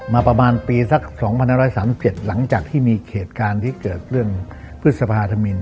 ประมาณปีสัก๒๕๓๗หลังจากที่มีเหตุการณ์ที่เกิดเรื่องพฤษภาธมิน